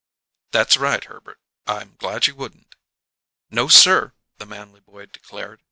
"That's right, Herbert. I'm glad you wouldn't." "No, sir," the manly boy declared.